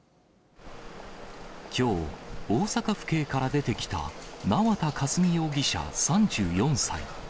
きょう、大阪府警から出てきた、縄田佳純容疑者３４歳。